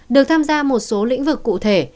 được tham gia một số lĩnh vực cụ thể